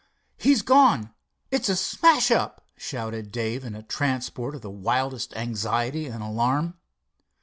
"He's gone—it's a smash up!" shouted Dave in a transport of the wildest anxiety and alarm.